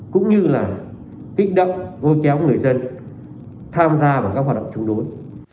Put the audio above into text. kích đấm vô kéo người dân tham gia vào các hoạt động chống đối